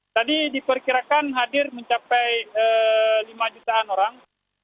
jadi diperkirakan hadir mencapai lima jutaan orang